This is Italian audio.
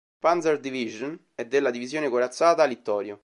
Panzer-Division e della Divisione corazzata "Littorio".